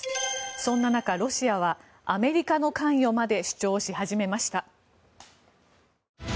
そんな中、ロシアはアメリカの関与まで主張し始めました。